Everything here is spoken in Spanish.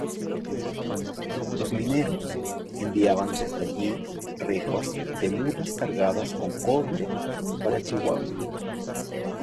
Los mineros enviaban desde allí recuas de mulas cargadas con cobre para Chihuahua.